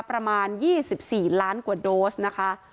ประมาณ๒๔ล้านกว่าโดสนะคะ